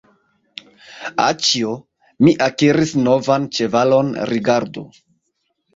Aĉjo, mi akiris novan ĉevalon, rigardu!